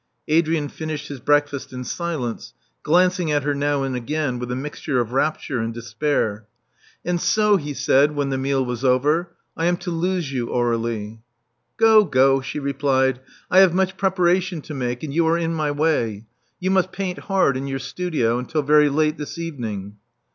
Adrian finished his breakfast in silence, glancing at her now and again with a mixture of rapture and despair. And so, he said, when the meal was over, Iamto lose you, Aur^lie." Go, go, she replied: I have much preparation to 334 Love Among the Artists make ; and you are in my way. You must paint hard in your studio until very late this evening."